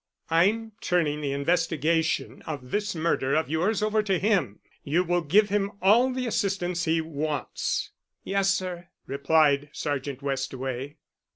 I'm turning the investigation of this murder of yours over to him. You will give him all the assistance he wants." "Yes, sir," replied Sergeant Westaway.